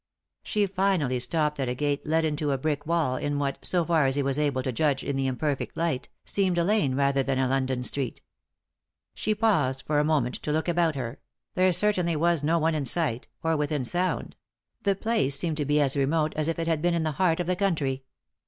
She finally stopped at a gate let into a brick wall, in what, so far as he was able to judge in the imperfect light, seemed a lane rather than a London street She paused for a moment to look about her — there certainly was no one in sight, or within sound ; the place seemed to be as remote as if it bad been in the heart of the country.